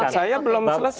saya ada pertanyaan